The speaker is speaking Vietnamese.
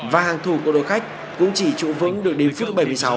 và hàng thủ của đội khách cũng chỉ trụ vững được đến phút bảy mươi sáu